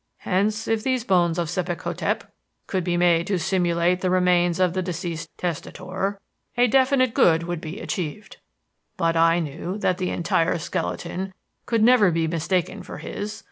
Hence, if these bones of Sebek hotep could be made to simulate the remains of the deceased testator, a definite good would be achieved. But I knew that the entire skeleton could never be mistaken for his.